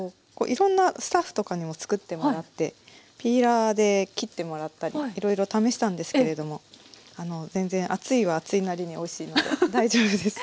いろんなスタッフとかにも作ってもらってピーラーで切ってもらったりいろいろ試したんですけれども全然厚いは厚いなりにおいしいので大丈夫です。